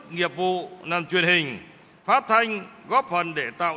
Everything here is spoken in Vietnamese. nghiệp vụ làm truyền hình phát thanh góp phần để tạo